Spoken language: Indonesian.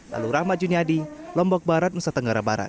lalu rahmat juniadi lombok barat nusa tenggara barat